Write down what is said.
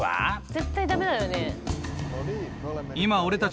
絶対ダメだよね。